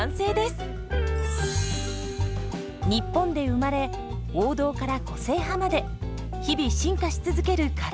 日本で生まれ王道から個性派まで日々進化し続けるカレーパン。